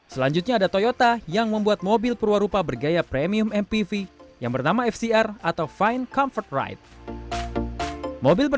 selanjutnya ada toyota yang membuat mobil perwarupa bergaya premium mpv yang bernama fcr atau fine comfort rights